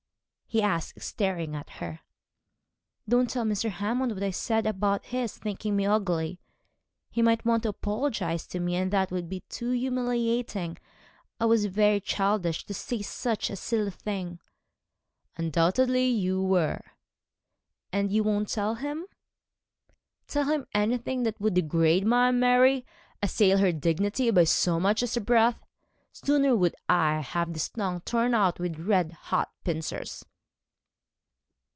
he asked, staring at her. 'Don't tell Mr. Hammond what I said about his thinking me ugly. He might want to apologise to me, and that would be too humiliating. I was very childish to say such a silly thing.' 'Undoubtedly you were.' 'And you won't tell him?' 'Tell him anything that would degrade my Mary? Assail her dignity by so much as a breath? Sooner would I have this tongue torn out with red hot pincers.'